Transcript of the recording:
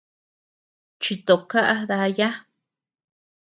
Chito kaʼa daya.